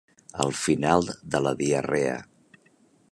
El final de la diarrea.